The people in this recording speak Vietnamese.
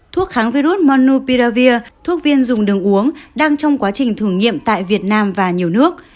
thuốc kháng virus monu piravir thuốc viên dùng đường uống đang trong quá trình thử nghiệm tại việt nam và nhiều nước